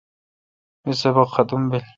می سبق ختم بیل